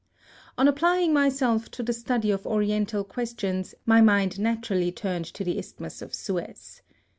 On applying myself to the study of oriental questions, my mind naturally turned to the Isthmus of Suez.